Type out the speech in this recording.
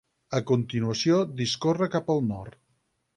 A continuació discorre cap al nord.